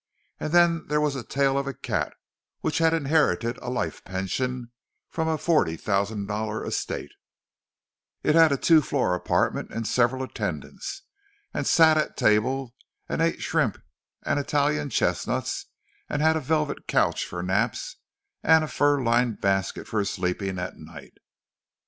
And then there was a tale of a cat which had inherited a life pension from a forty thousand dollar estate; it had a two floor apartment and several attendants, and sat at table and ate shrimps and Italian chestnuts, and had a velvet couch for naps, and a fur lined basket for sleeping at night!